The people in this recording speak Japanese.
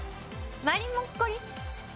まりもっこり。